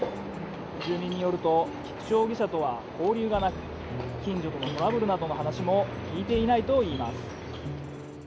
住民によると菊池容疑者とは交流がなく近所にトラブルなどの話も聞いていないといいます。